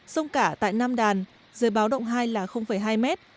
sông cả tại nam đàn dưới báo động hai là hai mét